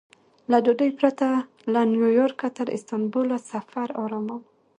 له ډوډۍ پرته له نیویارکه تر استانبوله سفر ارامه و.